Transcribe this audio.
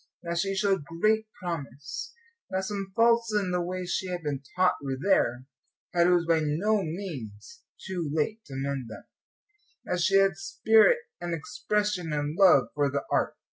That she showed great promise, that some faults in the way she had been taught were there, but it was by no means too late to mend them, that she had spirit and expression and love for the art.